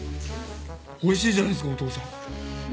おいしいじゃないですかお父さん。